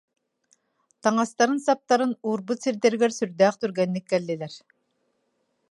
Таҥастарын-саптарын уурбут сирдэригэр сүрдээх түргэнник кэллилэр